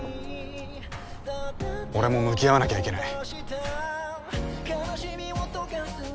俺も向き合わなきゃいけない。